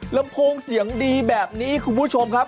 ลำโพงเสียงดีแบบนี้คุณผู้ชมครับ